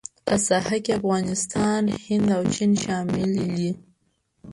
په ساحه کې افغانستان، هند او چین شامل دي.